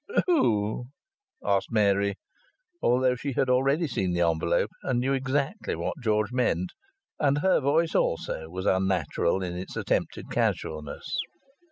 "Who?" asked Mary, although she had already seen the envelope, and knew exactly what George meant. And her voice also was unnatural in its attempted casualness.